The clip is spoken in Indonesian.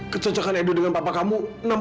kecocokan ibu dengan papa kamu